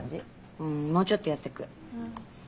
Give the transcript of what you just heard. うんもうちょっとやってく。